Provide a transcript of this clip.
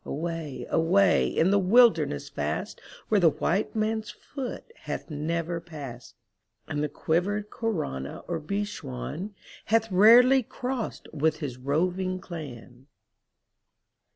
Away — away — in the wilderness vast Where the white man's foot hath never passed. And the quivered Coranna or Bechuan Hath rarely crossed with his roving clan.